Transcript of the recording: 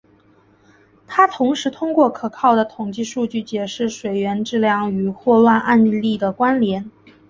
他同时通过可靠的统计数据解释水源质量与霍乱案例的关联。